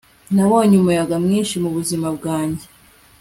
nabonye umuyaga mwinshi mubuzima bwanjye